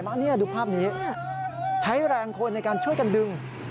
อันนี้ดูภาพนี้ใช้แรงคนในการช่วยกันดึง